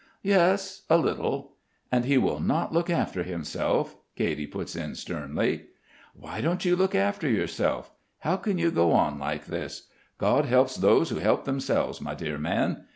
"Yes, a little." "And he will not look after himself," Katy puts in sternly. "Why don't you look after yourself? How can you go on like this? God helps those who help themselves, my dear man.